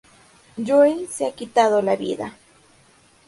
Joe se ha quitado la vida.